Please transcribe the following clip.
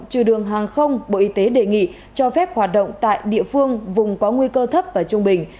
trừ đường hàng không bộ y tế đề nghị cho phép hoạt động tại địa phương vùng có nguy cơ thấp và trung bình